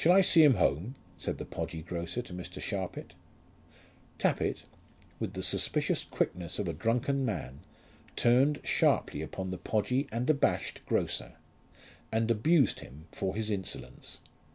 "Shall I see him home?" said the podgy grocer to Mr. Sharpit. Tappitt, with the suspicious quickness of a drunken man, turned sharply upon the podgy and abashed grocer, and abused him for his insolence.